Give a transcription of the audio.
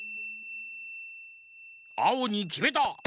あおにきめた！